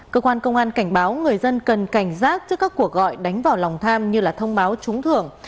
cơ quan công an cảnh báo người dân cần cảnh giác trước các cuộc gọi đánh vào lòng tham như thông báo trúng thưởng